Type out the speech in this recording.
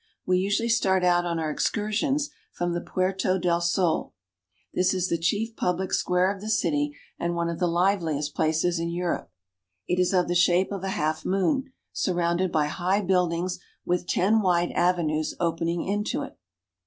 We usually start out on our excursions from the Puerto del Sol. This is the chief public square of the city, and one of the liveliest places in Europe. It is of the shape of a half moon, surrounded by high buildings, with ten wide avenues opening into it.